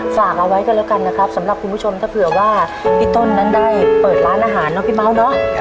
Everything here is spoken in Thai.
ฝากเอาไว้กันแล้วกันนะครับสำหรับคุณผู้ชมถ้าเผื่อว่าพี่ต้นนั้นได้เปิดร้านอาหารเนาะพี่เม้าเนาะ